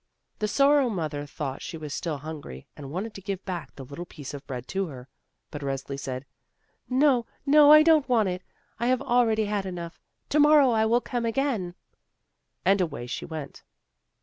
The Sorrow mother thought she was still hungry, and wanted to give back the little piece of bread to her. But Resli said: "No, no, I don't want it. I have already had enough; to morrow I will come again!" And away she went.